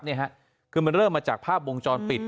นี่ค่ะคือมันเริ่มมาจากภาพวงจรปิด